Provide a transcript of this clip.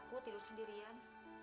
aku takut tidur sendirian